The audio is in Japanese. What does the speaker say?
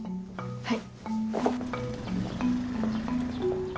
はい。